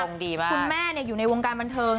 คุณแม่อยู่ในวงการบันเทิง